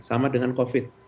sama dengan covid